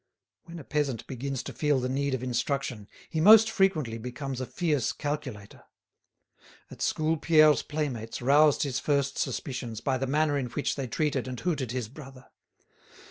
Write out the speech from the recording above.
When a peasant begins to feel the need of instruction he most frequently becomes a fierce calculator. At school Pierre's playmates roused his first suspicions by the manner in which they treated and hooted his brother.